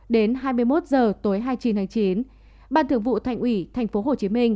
đến hai mươi một h tối hai mươi chín tháng chín bàn thượng vụ thành ủy tp hcm